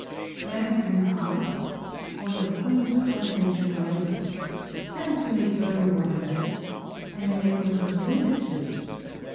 Madame Campan, one of the Queen's confidential ladies, happened to meet Boehmer one day, and the necklace was alluded to.